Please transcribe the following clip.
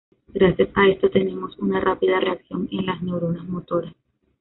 Gracias a esto tenemos una rápida reacción en las neuronas motoras.